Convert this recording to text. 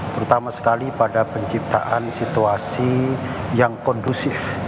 terutama sekali pada penciptaan situasi yang kondusif